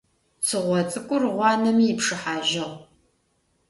Цыгъо цӏыкӏур, гъуанэми ипшыхьажьыгъ.